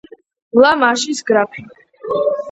ლა მარშის გრაფი.